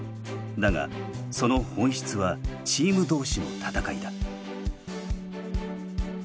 だがその本質はチーム同士の戦いだ。